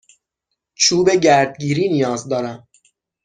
چوب گردگیری نیاز دارم.